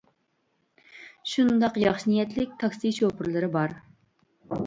شۇنداق ياخشى نىيەتلىك تاكسى شوپۇرلىرى بار.